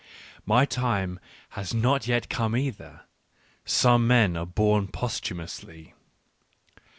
My time has not yet come either; some are born posthumously.